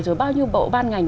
rồi bao nhiêu bộ ban ngành